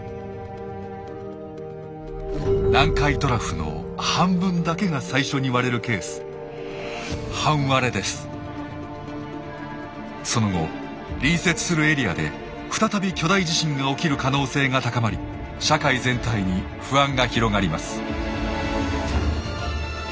南海トラフの半分だけが最初に割れるケースその後隣接するエリアで再び巨大地震が起きる可能性が高まり社会全体に不安が広がります。